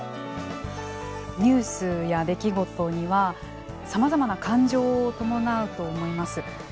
ニュースや出来事にはさまざまな感情を伴うと思います。